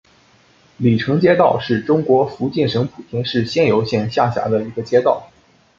鲤城街道是中国福建省莆田市仙游县下辖的一个街道。